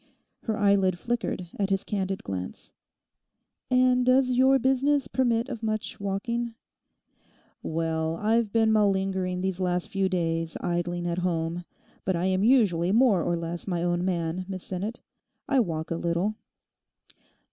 Her eyelid flickered at his candid glance. 'And does your business permit of much walking?' 'Well, I've been malingering these last few days idling at home; but I am usually more or less my own man, Miss Sinnet. I walk a little.